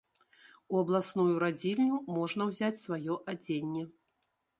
У абласную радзільню можна ўзяць сваё адзенне.